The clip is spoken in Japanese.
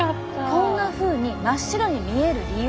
こんなふうに真っ白に見える理由。